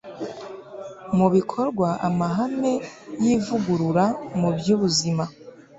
mu bikorwa amahame yivugurura mu byubuzima